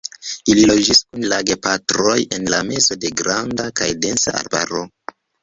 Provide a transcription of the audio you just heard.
Ili loĝis kun la gepatroj en la mezo de granda kaj densa arbaro.